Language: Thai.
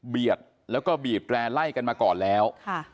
เบียดแล้วก็บีบแกร่ไล่กันมาก่อนแล้วค่ะ